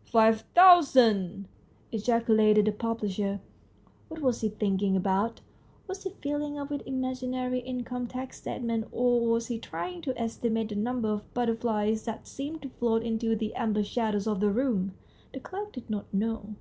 " Five thousand !" ejaculated the publisher. What was he thinking about ? Was he filling up an imaginary income tax statement, or was he trying to estimate the number of butter flies that seemed to float in the amber shadows of the room? The clerk did not know.